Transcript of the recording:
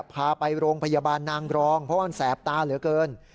พาไปโรงพยาบาลนางรองเพราะว่ามันแสบตาเหลือเกิน